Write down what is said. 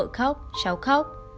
vợ khóc cháu khóc